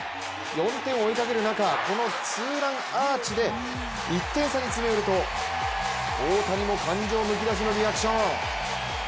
４点を追いかける中、このツーランアーチで１点差に詰め寄ると、大谷も感情むき出しのリアクション。